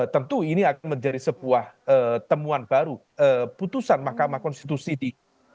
tentu ini akan menjadi sebuah temuan baru putusan mahkamah konstitusi di dua ribu sembilan belas